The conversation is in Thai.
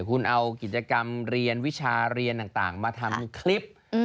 คุณเอากิจกรรมเรียนวิชาเรียนต่างมาทำคลิป